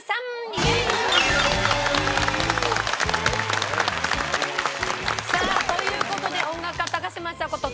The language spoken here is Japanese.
イエイ！さあという事で音楽家高嶋ちさ子と共にですね